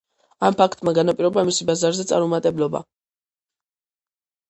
ამ ფაქტმა განაპირობა მისი ბაზარზე წარუმატებლობა.